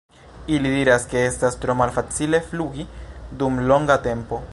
Ili diras ke estas tro malfacile flugi dum longa tempo.